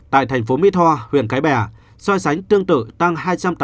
tại thành phố mỹ thoa huyện cái bè so sánh tương tự tăng hai trăm tám mươi ba ba